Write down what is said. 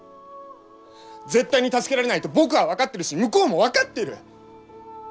絶対に助けられないと僕は分かっているし向こうも分かってる！